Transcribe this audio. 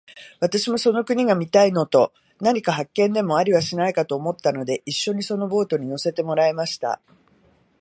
私もその国が見たいのと、何か発見でもありはしないかと思ったので、一しょにそのボートに乗せてもらいました。